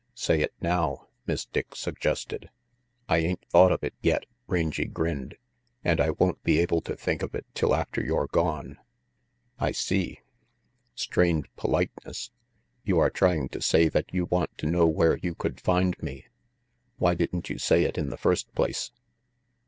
"Say it now," Miss Dick suggested. "I ain't thought of it yet," Rangy grinned, "and I won't be able to think of it till after you're gone." "I see. Strained politeness. You are trying to gay that you want to know where you could find me. Why didn't you say it in the first place?